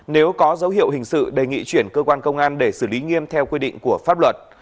nếu có dấu hiệu hình sự đề nghị chuyển cơ quan công an để xử lý nghiêm theo quy định của pháp luật